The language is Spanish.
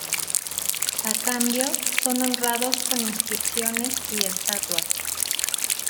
A cambio, son honrados con inscripciones y estatuas.